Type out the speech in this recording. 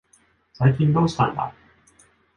最近どうしたんだ。